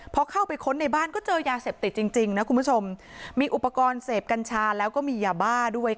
พอเข้าไปค้นในบ้านก็เจอยาเสพติดจริงจริงนะคุณผู้ชมมีอุปกรณ์เสพกัญชาแล้วก็มียาบ้าด้วยค่ะ